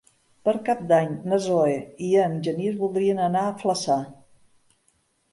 Per Cap d'Any na Zoè i en Genís voldrien anar a Flaçà.